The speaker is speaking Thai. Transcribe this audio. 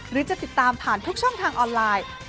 หรือจะติดตามผ่านทุกช่องทางออนไลน์